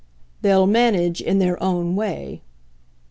"They'll manage in their own way."